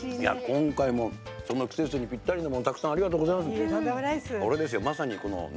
今回も季節にぴったりのものありがとうございます。